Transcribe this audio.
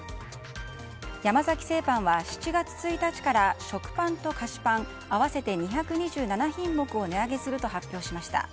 山崎製パンは７月１日から食パンと菓子パン合わせて２２７品目を値上げすると発表しました。